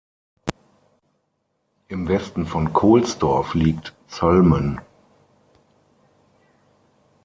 Im Westen von Kohlsdorf liegt Zöllmen.